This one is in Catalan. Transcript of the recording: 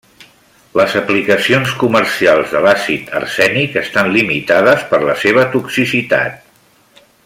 Les aplicacions comercials de l'àcid arsènic estan limitades per la seva toxicitat.